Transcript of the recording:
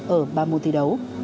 ở ba mùa thi đấu